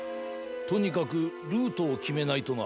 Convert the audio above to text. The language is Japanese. とにかくルートをきめないとな。